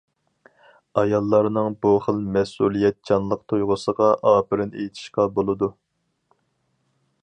ئاياللارنىڭ بۇ خىل مەسئۇلىيەتچانلىق تۇيغۇسىغا ئاپىرىن ئېيتىشقا بولىدۇ.